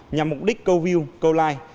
nhằm mục đích cầu view cầu like